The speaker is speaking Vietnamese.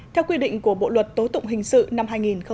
theo quy định của bộ luật tố tụng hình sự năm hai nghìn một mươi năm